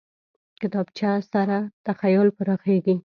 کتابچه سره تخیل پراخېږي